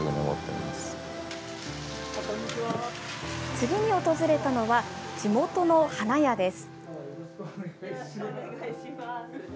次に訪れたのは地元の花屋です。